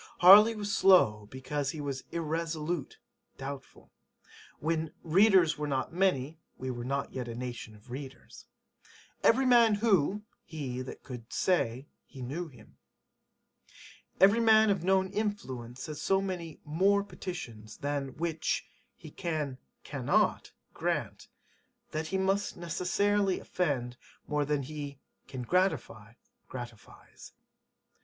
Harley was slow because he was [irresolute] doubtful. When [readers were not many] we were not yet a nation of readers. [Every man who] he that could say he knew him. Every man of known influence has so many [more] petitions [than] which he [can] cannot grant, that he must necessarily offend more than he [can gratify] gratifies.